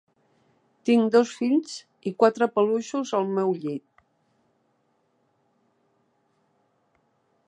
Tinc dos fills i quatre pelutxos al meu llit.